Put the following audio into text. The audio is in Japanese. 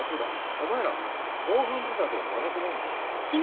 お前ら防犯ブザーとかもらってないのか？